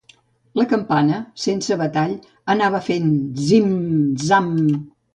La campana, sense batall, anava fent zim-zam.